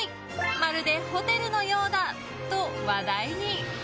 まるでホテルのようだ！と話題に。